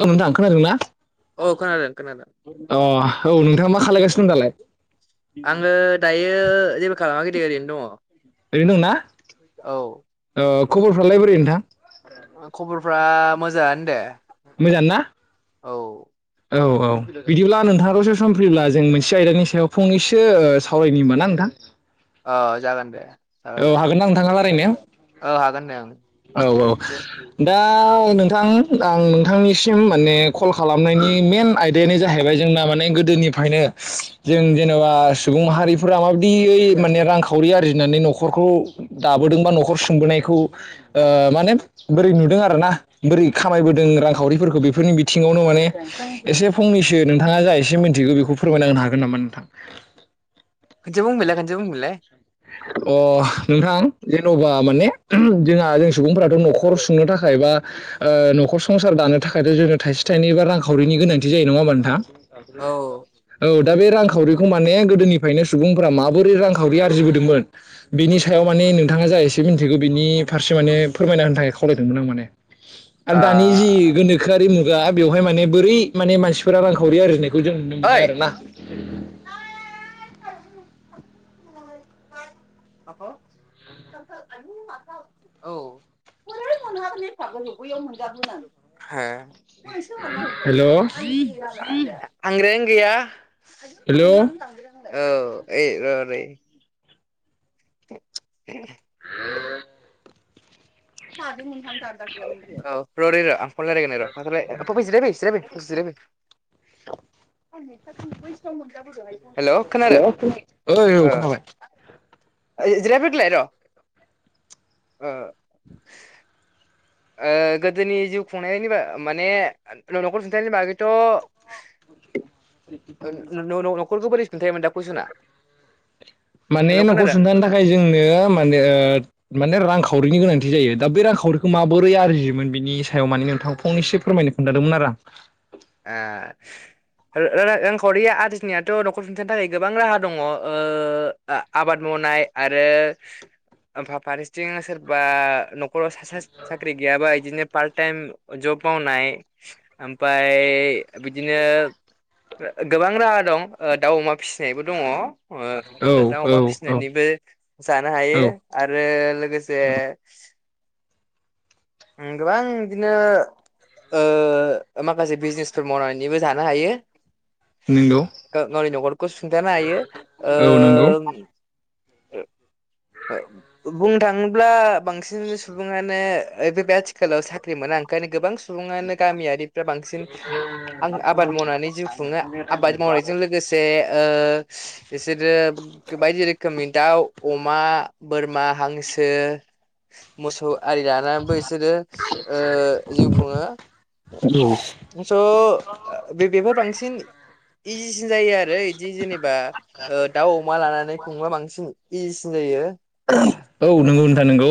औ नोंथां आं खोनादों ना। औ खोनादों-खनादों। औ नोंथाङा मा खालायगासिनो दं दालाय। आङो दायो जेबो खालामाखै दे ओरैनो दङ। ओरैनो दंना औ ओ खबरफ्रालइबोरै नोंथां। फ्रा मोजाङानो दे। मोजांना औ औ-औ बिदिब्ला नोंथाङा दसे सम फ्रिब्ला जों मोनसे आयदानि सायाव फंनैसो ओ सावरायनि ओमबा ना नोंथां। ऐ जागोन दे। जागोन औ जागोन हागोनदां नोंथाङा रायजायनो औ हागोन दे ओं औ-औ दा नोंथां आं नोंथांनिसिम माने कल खालामनायनि मेन आयदा बेनो जाहैबाय जोंना माने गोदोनिफ्रायनो जों जेनेबा सुबुं माहारिफोरा माब दियै माने रांखावरि आरजिनानै न'खर नखरखौ दाबोदों बा न'खर सुंबोनायखौ माने बोरै नुदों आरोना बैरै खामायबोदों रांखावरिफोरखौ बेफोरनि बिथिङावनो माने एसे फंनैसो नोंथाङा जा एसे मिथिगौ बेखौ फोरमायलांनो हागोन नामा नोंथां। खोनसे बुंफिनलाय खोनसे बुंफिनलाय अ नोंथां जेन'बा माने जोंहा जों सुबुंफोराथ' न'खर सुंनो थाखाय बा न'खर संसार दानो थाखायथ' जों थाइसे थाइनै बा रांखावरिनि गोनांथि जायो नङा होमबा नोंथां औ ओ औ दा बे रांखावरिखौ माने गोदोनिफ्रायनो सुबुंफोरा माबोरै रांखावरि आ फुजिबोदोंमोन बेनि सायाव माने नोंथाङा जा एसे मिन्थिगौ बिनि फारसे माने फोरमायना होनो थाखाय खावलायदोंमोन आं माने आरो दानि जि गोनोखोआरि मुगा बेवहाय माने बोरै माने मानसिफोरा रांखावरि आरो नै खौ जों नुनो मोनो ओइ आरोना [inaudible] औ बोरै मोनहागोन एफागो बैयाव हेल' मोनजागोन [inaudible] हेल' औ ए र [inaudible] [inaudible] औ रदै र' [inaudible] हेल' खोनादों ओइ औ ओ खोनाबाय आइ जिरायफैदोलायद' अ-अ गोदोनि जिउ खुंनायनि माने न'खर खुंथायनि बागैथ' [inaudible] न'खरखौ बोरै सुंन्थायोमोन दा कुइसना? माने हेलौ न'खर खोनादों सुंथानो थाखाय जोंनो माने माने रां साखावरिनि गोनांथि जायो दा बे रांखावरिखौ माबोरै आरजियोन बेनि सायाव माने नोंथां फंनसो फोरमायनो खोन्थादोंमोन आरो [inaudible] रांखावरिया आरजिनायाथ न'खर सुंथानो थाखाय गोबां राहा दङ आबाद मावनाय आरो फा फारथिं सोरबा न साख्रि गैयाबा बिदिनो पार्ट टाइम जब मावनाय मफ्राय ओमफ्राय बिदिनो गोबां राहा दं दाउ अमा फिसिनायबो दङ। औ ओ दाउ अमा औ फिसिनानैबो जानो हायो औ आरो लोगोसे औ गोबां बिदिनो ओ माखासे बिजनेसफोर मावनानैबो जानो हायो। नंगौ गावनि न'खरखौ सुंथानो हायो ओ औ नंगौ ओ-ओक्षबुंनो थाङोब्ला बांसिन सुबुङानो आथिखालाव साख्रि मोना ओंखायनो गोबां सुबुङानो गामियारिफ्रा बांसिन आं आबाद मावनानै जिउ खुङो आबाद मावनायजों लोगोसे बिसोरो बायदि रोखोमनि दाउ अमा बोरमा हांसो मोसौ आरि बो बिसोरो जिउ खुङो औ स' बे बेफोर बांसिन इजिसिन जायो आरो बिदि जेनेबा दाउ अमा लानानै खुंबा बांसिन इजिसिन जायो। औ नंगौ नोंथां नंगौ।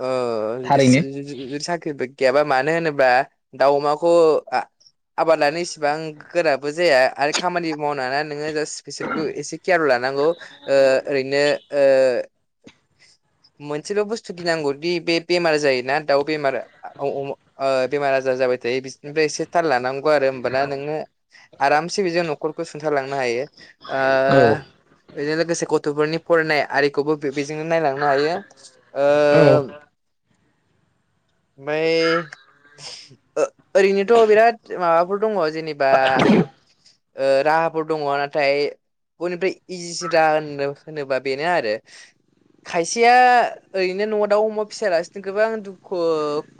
ओ [inaudible] थारैनो गैयाबा मानो होनोब्ला दाउ अमाखौ आबाद लानो इसिबां गोराब बबो जाया आरो खामानि मावनानै नोङो जास्ट बिसोरखौ एसे केयार लानांगौ ओरैनो ओ मोनसेबो बुस्थु गिनांगौदि बे बेमार जायोना दाउ बेमार बेमार अ-अ-अमा ओ आजार जाबाय थायो बिनिफ्राय एसे थाल लानांगौ। आरो होनबाना नोङो आरामसे बेजों न'खरखौ सुंथारलांनो हायो आ औ बेजों लोगोसे गथ'फोरनि फरायनाय आरिखौबो बेजोंनो नायलांनो हायो। ओ औ। ओमफ्राय ओरैनोथ' बिराद माबाफोर दङ जेबा ओ राहाफोर दङ नाथाय बयनिफ्राय इजिसो रा होनोबा बेनो आरो खायसेया ओरैनो न'आव दाउ हमाव फिसला गोबां दुखु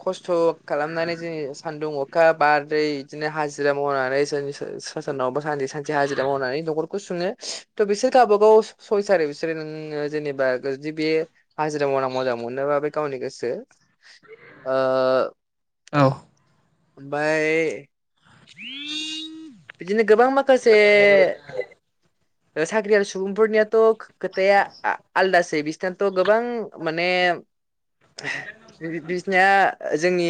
खस्थ' खालामनानै जों सानदुं अखा बारदै बिदिनो हाजो हाजिरा मावनानैनि सोर सोरनावबा सान सानसे हाजिरा मावनानै न'खरखौ सुङो त' बिसोर गावबा गाव सय सारि बिसोरो नोङो जेनेबा जुदि बे हाजिरा मावना मोजां मोनोबा बे गावनि गोसो ओ औ ओमफाय बिदिनो गोबां माखासे [inaudible] साख्रियल सुबुंफोरनियाथ' खो-खोथाया आ-आलदासै बिसनाथ' गोबां माने बिसनाया जोंनि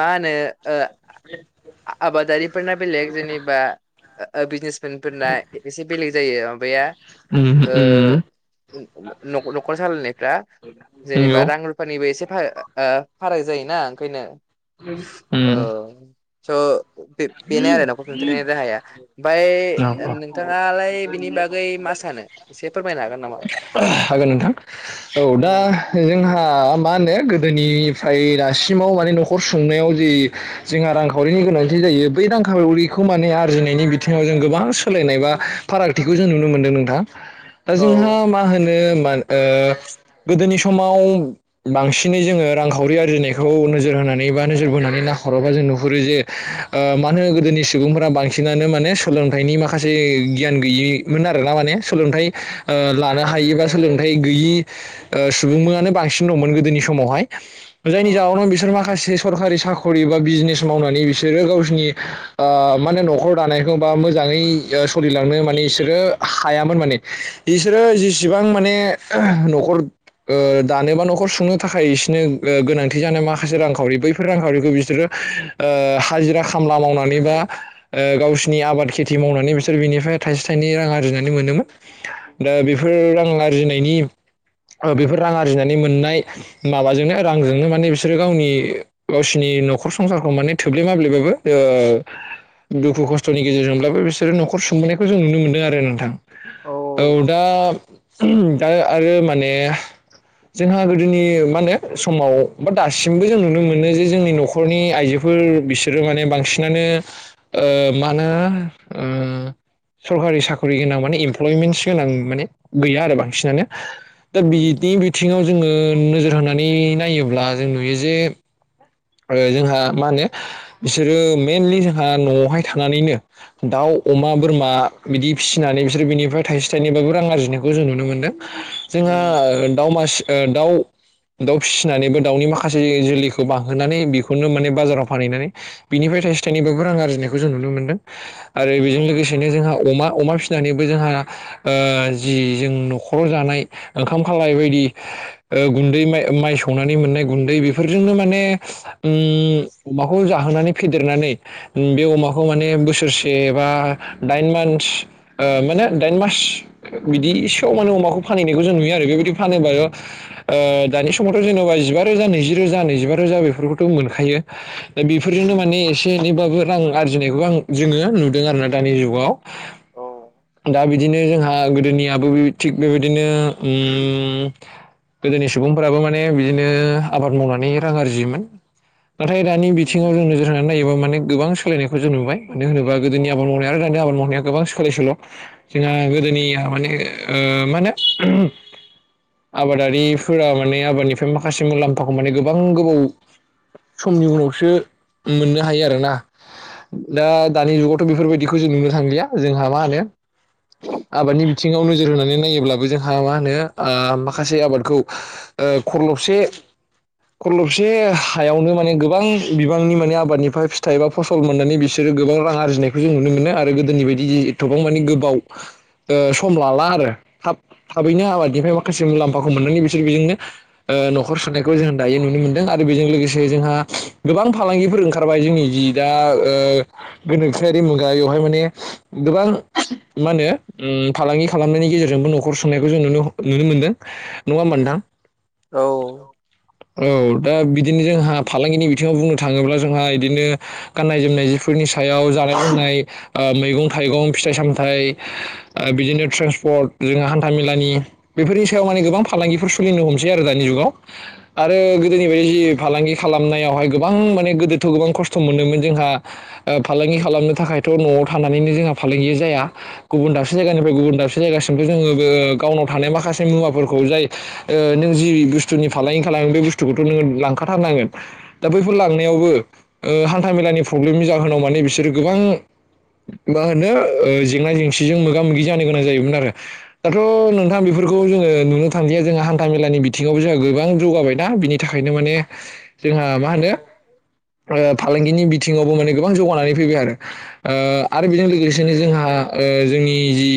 मा होनो ओ आ-आबादारिफोरना बेलेग जोनि बा ओ ओ बिजनेसमेनफोरना एसे बेलेग जायो माबाया उम उम न'न'नख'र सालायनाय फोरा जेनेबा नंगौ रां रुफानिबो एसे फाराग ओ फाराग जायोना ओंखायनो। ओ उम स'बे बेनो आरो नाखर सुंथानाय राहाया औ ओमफाय औ नोंथाङालाय बिनि बागै मा सानो एसे फोरमायनो हागोन नामा? हागोन नोंथां औ दा जोंहा मा होनो गोदोनिफ्राय दासिमाव माने न'खर सुंनायाव जि जोंहा रांखावरिनि गोनांथि जायो बै दांखावरिखौ माने आरजिनायनि बिथिङाव जों गोबां सोलायनाय बा फारागथिखौ जों नुनो मोनदों नोंथां दा जोंहा औ मा होनो ओ गोदोनि समाव बांसिनै जोङो रांखावरि आरजिनायखौ नोजोरहो होनानै बा नोजोर बोनानै नाहरोबा जों नुहुरो जे ओ मानो गोदोनि सुबुंफोरा बांसिनानो माने सोलोंथाइनि माखासे गियान गैयै मोन आरोना माने सोलोंथाइ लानो हायोबा सोलोंथाइ गैयि सुबुंमोनानो बांसिन दंमोन गोदोनि समावहाय। औ जायनि जाहोनाव बिसोर माखासे सरकारि साख' साख'रि बा बिजनेस मावनानै बिसोरो गावसोरनि ओ माहोनदों न'खर दानाय गोबांआ मोजांङै सलिलांनो माने‌ ईसोरो हायामोन माने बिसोरो बिसोरो जसेबां माने माने ओ न'खर ओ दानोबा न'खर सुंनो थाखाय इसिनो ओ गोनांथि जानाय माखासे रांखावरि बैफोर रांखावरिखौ बिसोरो ओ हाजिरा खामला मावनानै बा ओ गावसि नि आबाद खेथि मावनानै बिसोर बिनिफ्राय थाइसे थाइनै रां आरजिनानै मोनोमोन दा बेफो रांआ आरजिनायनि बेफोर रां आरजिनानै मोननाय माबाजोंनो रांजोंनो माने बिसोरो गावनि गावसिनि इ न'खर संसार खो माने थोब्ले माब्ले बाबो ओ दुखु खस्त खस्थनि गेजेरजोंब्लाबो बिसोरो न'खर सुंबोनायखौ जों नुनो मोनदों आरो नोंथां औ दा दा आरो माने जोंहा गोदोनि मा होनो समाव बा दासिमबो जों नुनो मोनो जे जोंनि न'खरनि आइजो फोर बिसोरो माने बांसिनानो ओ मा होनो उम सरकारि साखरि गोनां माने इमप्लयमेन्टस गोनां माने गैया आरो बांसिनानो दा बिदि बिथिङाव जोङो नोजोर होनानै नायोब्ला जों नुयो जे ओ जोंहा मा होनो बिसोरो मइेनलि जोंहा न'आवहाय थानानैनो दाउ अमा बोरमा बिदि फिसिनानै बिसोर बिनिफ्राय थाइसे थाइनैबाबो रां आरजिनायखौ जों नुनो मोनदों। जोंहा दाावमासि दाउ दाउ फिसिनानैबो दाउनि माखासे जोलैखौ बां होनानै बेखौनो माने बाजाराव फानहैनानै बिनिफ्राय थाइसे थाइनैबाबो रां आरजिनायखौ जों नुनो मोन्दों आरो बेजों लोगोसेनो जोंहा अमा अमा फिसिनानैबो जोंहा ओ जि जों न'खराव जानाय ओंखाम खालाय बायदि ओ गुन्दै मा-माइ सौनानै मोननाय गुन्दै बेफोरजोंनो माने उम अमाखौ जाहोनानै फेदेरनानै उम बे अमाखौ माने बोसोरसे एबा बा दाइन मानस ओ माने दाइन मार्स बिदि सोयाव माने अमाखौ फानहैनायखौ जों नुयो आरो बेबादि फानोबा ओ दानि समावथ' जेनबा जिबा रोजा नैजि रोजा नैजिबा रोजा बे बेफोरखौथ' मोनखायो दा बेफोरजोंनो माने एसे एनैबाबो रां आरजिनायखौ आं जोङो नुदों आरोना दानि जुगाव दा बि बिदिनो जोंहा गोदोनियाबो थिग बेबायदिनो ओ गोदोनि सुबुंफोराबो माने बिदिनो आबाद मावनानै रां आरजियोमोन नाथाय दानि बिथिङाव जों नोजोर होनानै नायोबा माने गोबां सोलायनायखौ जों नुबाय मानो होनोबा गोदोनि आबाद मावनाय आरो दानि आबाद मावनाया गोबां सोलाय सोल जोंहा गोदोनि मानि ओ मा होनो आबादारिफोरा माने आबादनिफ्राय माखासे मुलाम्फाखौ माने गोबां गोबाव समनि उनावसो मोननो हायो आरोना दा दानि जुगावथ बेफोरबायदिखौ जों नुनो थांलिया जोंहा मा होनो आबादनि बिथिङाव नोजोर होनानै नायोब्लाबो जोंहा मा होनो आ माखासे आबादखौ ओ खरलबसे खरलबस से हायावनो माने गोबां बिबांनि माने आबादनिफ्राय फिथाइ बा फसल मोननानै बिसोरो गोबां रां आरजि नायखौ जों नुनो मोनो आरो गोदोनि बायदि जि एथबां माने गोबाव ओ सम लाला आरो थाब थाबैनो आबादनिफ्राय माखासे मुलाम्फाखौ मोननानै बिसोर बेजोंनो ओ नखर सुनायखौ जों दायो नुनो मोनदों बेजों लोगोसे जोंहा गोबां फालांगिफोर ओंखारबाय जोंनि जि दा ओ गोनोखोयारि मुगायावहाय माने गोबां मा होनो ओम फालांगि खालामनायनि गेजेरजों नखर सुंनाय बेखौ जों नुनो ह नुनो मोनदों नङा होनबा नोंथां औ दा बिदिनो जोंहा फालांगिनि बिथिङाव बुंनो थाङोब्ला जोंहा बिदिनो गाननाय जोमनाय जिफोरनि सायाव जा गाननाय जोमनाय ओ मैगं थाइगं फिथाइ सामथाइ ओ बिजोंनो ट्रेक्टर बिजों था मेलानि बेफोरनि सायाव माने गोबां फालांगिफोर सोलिनो हमसै आरो दानि जुगाव आरो गोदोनि बायदि जि फालांगि खालामनायावहाय गोबां माने गोदोथ गोबां खस्थ मोनोमोन जोंहा ओ फालां गि खालामनो थाखायथ नआव थानानैनो जोंहा फालांगि जाया गुबुन दाबसे जायगानिफ्राय गुबुन दाबसे जायगासिमबोथ जोङो जोङो गावनाव थानाय माखासे मुवाफोरखौ जाय ओ नों जि बुस्थुनि फालांगि खालामो बे बुुस थुखौथ नोङो लांखाथारनांगोन दा बैफोर लांनायावबो ओ हान्था मेलानि प्रब्लेमनि जाहोनाव माने बिसोरो गोबां मा होनो ओ जेंना जेंसिजों मोगा मोगि जानो गोनां जायोमोन आरो दाथ नोंथां बेफो फोरखौ जोङो नुनो थांलिया जोंहा हान्था मेलानि बिथिङावबो जोंहा गोबां जौगाबाय दा बिनि थाखायनो माने जोंहा मा होनो ओ फालांगिनि बिथिङावबो माने गोबां जौगानानै फैबाय आरो ओ आरो बेजों लोगोसेनो जोंहा ओ जोंनि जि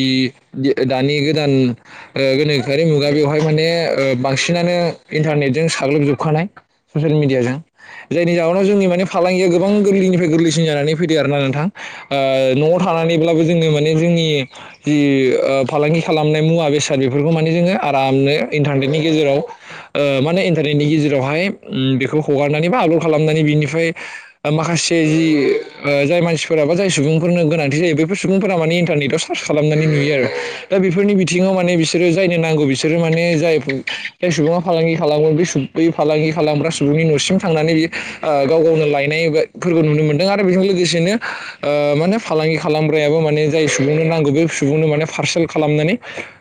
दानि गोदान ओ खोयारि मुगा बेवहाय माने ओ बांसिनानो इन्टारनेटजों साग्लोबजोबखानाय ससियेल मिडियाजों जायनि जाहोनाव जोंनि माने फालांगिया गोबां गोरलैनिफ्राय गोरलैसिन जा नानै फैदों आरो ना नोंथां ओ नआव थानानैब्लाबो जोंनो माने जोंनि जि ओ फालांगि खालामनाय मुवा बेसाद बेफोरखौ माने जोङो आरामनो इन्टारनेटनि गेजेराव ओ माने दिनैनि गेजेरावहाय ओम बेखौ हगारनानै बा आपलड खालामनानै बिनिफ्राय माखासे जि जाय मानसिफोराबा जाय सुबुंफोरनो गोनांथि जायो बेफोर सुबुंफोरा माने इन्टारनेटआव सार्च खालामनानै नुयो आरो दा बेफोरनि बिथिङाव माने बिसोरो जायनो नांगौ बिसोरो माने जाय जाय सुबुङा फालांगि खालामगोन बे बै फालांगि खालामग्रा सुबुंनि नसिम थांनानै बेयो ओ गाव गावनो लायनायबा फोरखौ नुनो मोनदों आरो बे जों लोगोसेनो ओ माने फालांगि खालामग्रायाबो माने जाय सुबुंनो नांगौ बे सुबुंनो माने पारसेल खालामनानै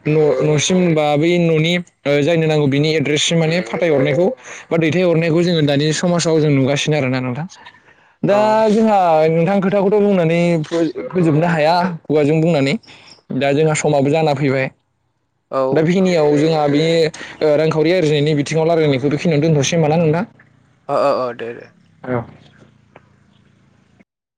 नसिम बा बै ननि जायनो नांगौ बिनि एड्रेससिम माने फाथायहरनायखौ बा दैथायहरनायखौ जोङो दानि समाजाव जों नुगासिनो आरो ना नोंथां दा जोंहा नोंथांखो थाखौथ बुंनानै फोज फोजोबनो हाया खुगाजों बुंनानै दा जोंहा समाबो जाना फैबाय दा बेखिनियाव जोंहा बे ओ रांखावरि आरजिनायनि बि थिंङाव लारायनायखौ दोनथसै होनबा ना नोंथां ओ ओ ओ दे दे औ